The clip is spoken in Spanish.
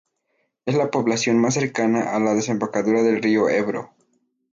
Es la población más cercana a la desembocadura del río Ebro.